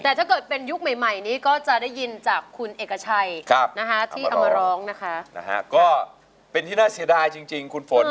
แต่ถ้าเกิดเป็นยุคใหม่นี้ก็จะได้ยินจากคุณเอกชัยที่เอามาร้องนะคะก็เป็นที่น่าเสียดายจริงคุณฝน